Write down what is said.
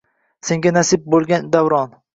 Senga nasib bo’lgan davron